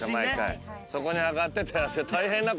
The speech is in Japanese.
そこにあがってたやつ。